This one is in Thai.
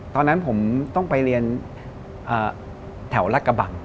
ตอนนั้นผมต้องไปเรียนแถวรัฐกระบัง